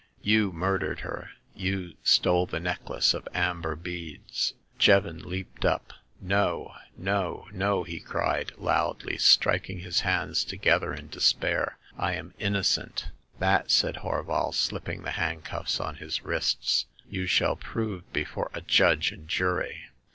You murdered her ; you stole the necklace of amber beads.'' Jevons leaped up. No, no, no !'* he cried, loudly, striking his hands together in despair. " I am innocent !'* *'That," said Horval, slipping the handcuffs on his wrists, you shall prove before a judge and jury."